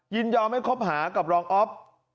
ยินยอมให้คบหากับรองอ๊อฟ